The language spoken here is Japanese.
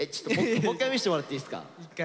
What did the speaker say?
もう一回見せてもらっていいですか？